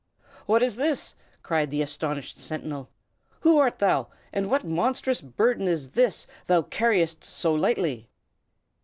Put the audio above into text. "What is this?" cried the astonished sentinel. "Who art thou, and what monstrous burden is this thou carriest so lightly?"